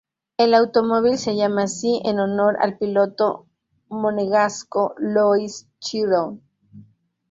El automóvil se llama así en honor al piloto monegasco Louis Chiron.